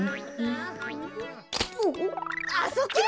あそこや！